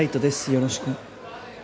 よろしく。